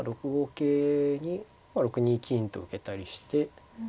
桂に６二金と受けたりして。